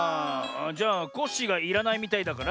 じゃあコッシーがいらないみたいだから。